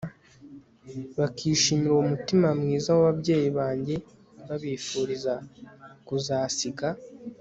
bakishimira uwo mutima mwiza w ababyeyi bange babifuriza kuzasiga